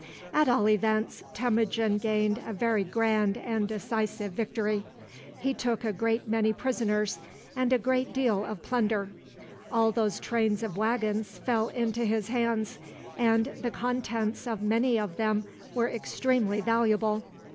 At all events, Temujin gained a very grand and decisive victory. He took a great many prisoners and a great deal of plunder. All those trains of wagons fell into his hands, and the contents of many of them were extremely valuable.